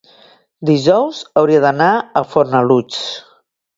Dijous hauria d'anar a Fornalutx.